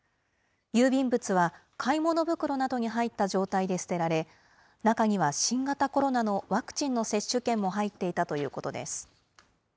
郵便物は買い物袋などに入った状態で捨てられ、中には新型コロナのワクチンの接種券も入っていたということです。